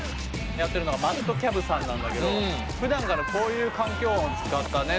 やってるのがＭａｔｔＣａｂさんなんだけどふだんからこういう環境音を使ったね